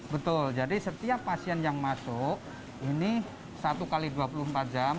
betul jadi setiap kali kita melakukan penyakit bawaan kita akan mencari penyakit bawaan